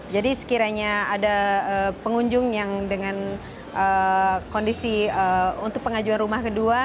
jadi sekiranya ada pengunjung yang dengan kondisi untuk pengajuan rumah kedua